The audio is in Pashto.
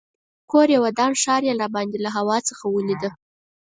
کور یې ودان ښار یې راباندې له هوا څخه ولیده.